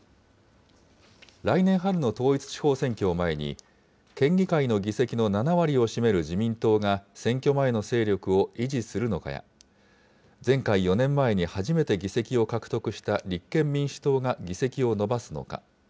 来年春の統一地方選挙を前に、県議会の議席の７割を占める自民党が選挙前の勢力を維持するのかや、前回・４年前に初めて議席を獲得した立憲民主党が議席を伸ばすのか。